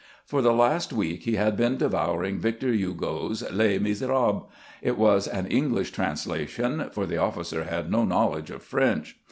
For the last week he had been devouring Vic tor Hugo's " Les Miserables." It was an English trans lation, for the officer had no knowledge of French.